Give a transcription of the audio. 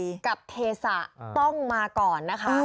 กับเทศะต้องมาก่อนนะคะ